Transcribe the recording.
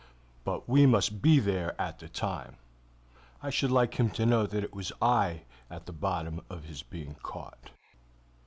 "But we must be there at the time. I should like him to know that I was at the bottom of his being caught."